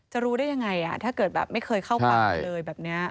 รู้ได้ยังไงถ้าเกิดแบบไม่เคยเข้าป่าไปเลยแบบนี้